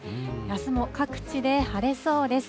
あすも各地で晴れそうです。